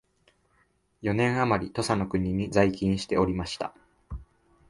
四年あまり土佐の国に在勤しておりました